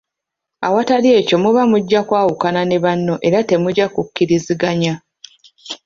Awatali ekyo muba mujja kwawukana ne banno era temujja kukkiriziganya.